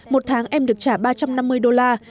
một tháng em được trả ba trăm năm mươi đô la